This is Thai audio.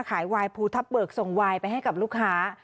วายภูทับเบิกส่งวายไปให้กับลูกค้า